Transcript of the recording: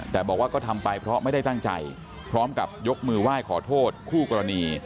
แต่บอกว่าก็ทำไปเพราะไม่ได้ตั้งใจพร้อมกับยกมือไหว้ขอโทษคู่กรณี